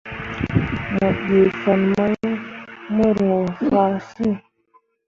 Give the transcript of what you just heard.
Mo ɗee fan mai mu roo fah siŋ.